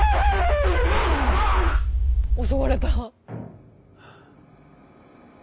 襲われた。